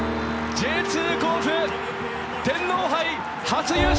Ｊ２甲府天皇杯初優勝！